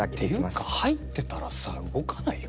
ていうか入ってたらさ動かないよ